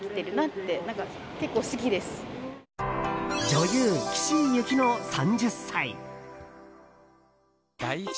女優・岸井ゆきの、３０歳。